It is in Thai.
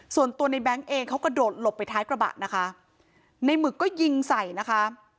ส่วนตัวในแง๊งเองเขากระโดดหลบไปท้ายกระบะนะคะในหมึกก็ยิงใส่นะคะ